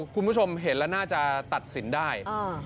คุณผู้ชมเห็นแล้วน่าจะตัดสินได้